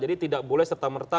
jadi tidak boleh serta merta